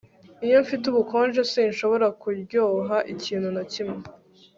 Iyo mfite ubukonje sinshobora kuryoha ikintu na kimwe